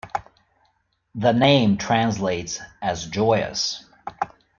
The name translates as "joyous".